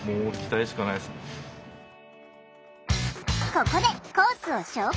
ここでコースを紹介。